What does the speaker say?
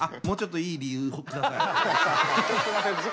もうちょっといい理由下さい。